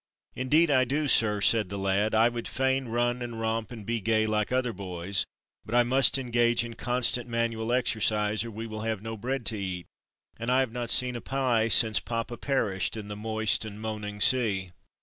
"Indeed, I do, sir," said the lad. "I would fain run and romp and be gay like other boys, but I must engage in constant manual exercise, or we will have no bread to eat, and I have not seen a pie since papa perished in the moist and moaning sea."